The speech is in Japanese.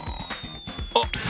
あっ！